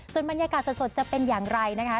ส่วนบรรยากาศสดจะเป็นอย่างไรนะคะ